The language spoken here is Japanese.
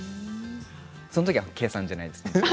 そのときは計算じゃないです。